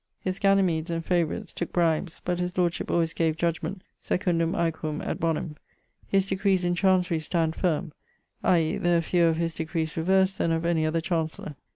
His Ganimeds and favourites tooke bribes; but his lordship alwayes gave judgement secundum aequum et bonum. His decrees in Chancery stand firme, i.e. there are fewer of his decrees reverst then of any other Chancellor.